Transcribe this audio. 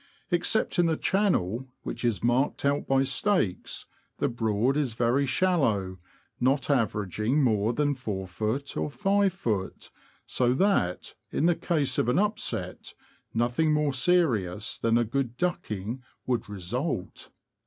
Except in the channel, which is marked out by stakes, the Broad is very shallow, not averaging more than 4ft. or 5ft. ; so that, in case of an upset, nothing more serious than a good ducking would result.